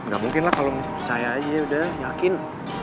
ga mungkin lah kalo lu percaya aja udah yakin